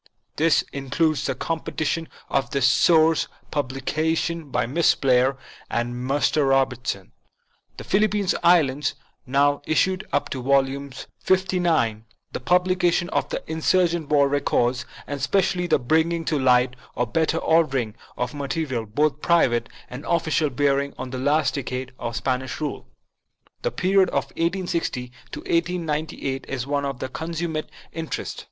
This includes the completion of the source publications by Miss Blair and Mr. Robert son, The Philippine Islands, now issued up to Volume XLIX ; the publication of the Insurgent War Records ; and especially the bringing to light or better ordering of material, both private and official, bearing on the last decades of Spanish rule. The period of 1860 to 1898 is one of consummate in terest.